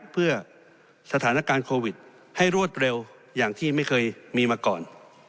เพื่อสถานการณ์โควิดให้รวดเร็วอย่างที่ไม่เคยมีมาก่อน